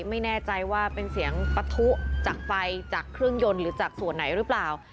ไม่แน่ใจว่าเป็นเสียงปะทุจากไฟจากเครื่องยนต์หรือจากส่วนไหนหรือเปล่า